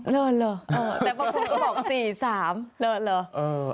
เลอแต่บางคนก็บอก๔๓